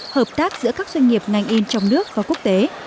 hợp tác giữa các doanh nghiệp ngành in trong nước và quốc tế